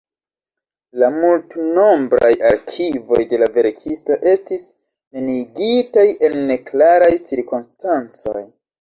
La multnombraj arkivoj de la verkisto estis neniigitaj en neklaraj cirkonstancoj.